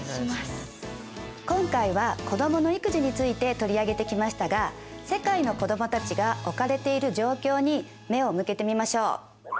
今回は子どもの育児について取り上げてきましたが世界の子どもたちが置かれている状況に目を向けてみましょう。